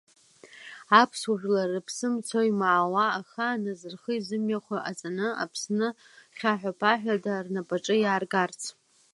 Аԥсуа жәлар рыԥсы мцо-имаауа, ахааназ рхы изымҩахо иҟаҵаны, Аԥсны хьаҳәаԥаҳәада рнапаҿы иааргарц.